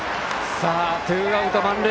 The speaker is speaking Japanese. ツーアウト満塁。